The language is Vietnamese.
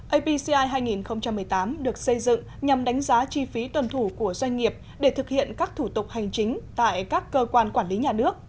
apci hai nghìn một mươi tám được xây dựng nhằm đánh giá chi phí tuân thủ của doanh nghiệp để thực hiện các thủ tục hành chính tại các cơ quan quản lý nhà nước